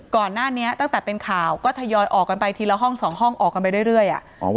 ก่อนหน้านี้ตั้งแต่เป็นข่าวก็ทยอยออกกันไปทีละห้อง๒ห้องออกกันไปเรื่อย